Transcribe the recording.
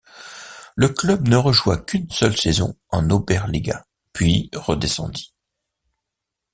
Le club ne rejoua qu’une seule saison en Oberliga puis redescendit.